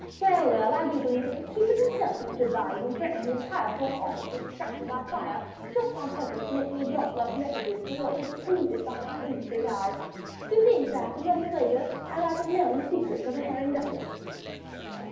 Well, well! I do believe it was Cupid himself who stood by you, and threatened the entire Foreign Office with destruction by fire, just on purpose to make me drop love's message, before it had been polluted by my indiscreet eyes. To think that, a moment longer, and I might have known the secrets of an erring duchess."